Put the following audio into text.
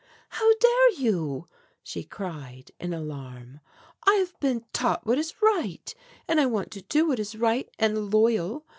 "How dare you!" she cried, in alarm. "I have been taught what is right, and I want to do what is right and loyal.